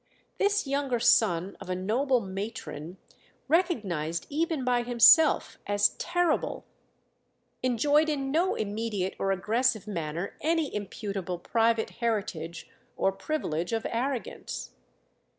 This younger son of a noble matron recognised even by himself as terrible enjoyed in no immediate or aggressive manner any imputable private heritage or privilege of arrogance.